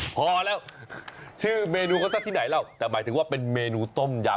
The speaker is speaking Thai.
พอแล้วชื่อเมนูเขาซะที่ไหนแล้วแต่หมายถึงว่าเป็นเมนูต้มยำ